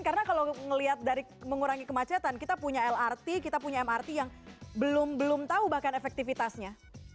karena kalau melihat dari mengurangi kemacetan kita punya lrt kita punya mrt yang belum tahu bahkan efektifitasnya